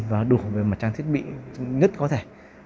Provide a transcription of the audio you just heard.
và đủ về mặt trang thiết bị nhất có thể